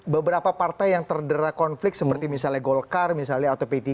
beberapa partai yang terdera konflik seperti misalnya golkar misalnya atau p tiga